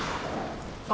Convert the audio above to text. あ！